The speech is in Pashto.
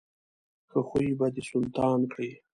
ښه خوی به دې سلطان کړي.